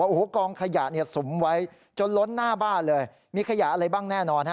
โอ้โหกองขยะสุมไว้จนล้นหน้าบ้านเลยมีขยะอะไรบ้างแน่นอนฮะ